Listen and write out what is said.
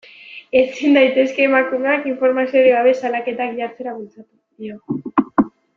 Ezin daitezke emakumeak informaziorik gabe salaketak jartzera bultzatu, dio.